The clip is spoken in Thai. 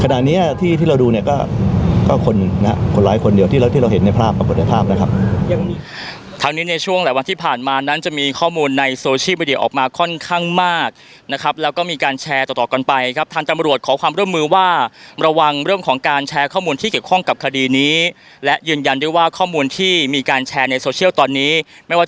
เห็นในภาพกับปฏิภาพนะครับยังมีทางนี้ในช่วงหลายวันที่ผ่านมานั้นจะมีข้อมูลในโซเชียลออกมาค่อนข้างมากนะครับแล้วก็มีการแชร์ต่อต่อก่อนไปครับทางจำรวจขอความร่วมมือว่าระวังเรื่องของการแชร์ข้อมูลที่เกี่ยวข้องกับคดีนี้และยืนยันด้วยว่าข้อมูลที่มีการแชร์ในโซเชียลตอนนี้ไม่ว่